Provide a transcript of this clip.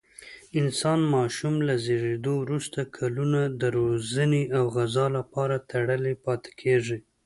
انسان ماشوم له زېږېدو وروسته کلونه د روزنې او غذا لپاره تړلی پاتې کېږي.